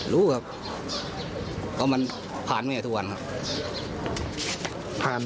รู้ครับเพราะมันผ่านแม่ทุกวันครับ